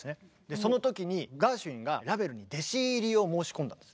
その時にガーシュウィンがラヴェルに弟子入りを申し込んだんです。